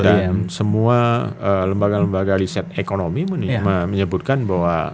dan semua lembaga lembaga riset ekonomi menyebutkan bahwa